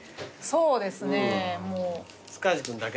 そうですよ。